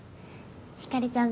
ひかりちゃん